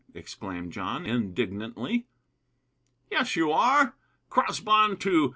exclaimed John, indignantly. "Yes, you are! Cross bun, too.